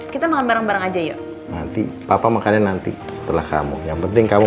kita makan bareng bareng aja yuk nanti papa makannya nanti setelah kamu yang penting kamu